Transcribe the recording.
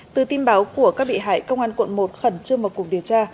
từ tin báo của các bị hại công an quận một khẩn trương một cuộc điều tra